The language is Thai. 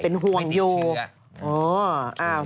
เป็นห่วงอยู่ไม่มีชื่อ